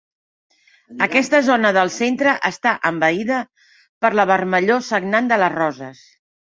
Aquesta zona del centre està envaïda per la vermellor sagnant de les roses.